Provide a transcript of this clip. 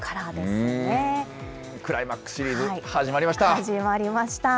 クライマックスシリーズ、始始まりました。